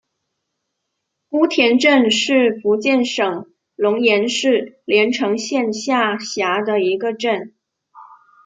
姑田镇是福建省龙岩市连城县下辖的一个镇。